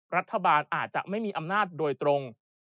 รัฐบาลอาจจะไม่มีอำนาจโดยตรง